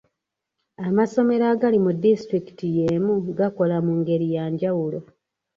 Amasomero agali mu disitulikiti y'emu gakola mu ngeri ya njawulo.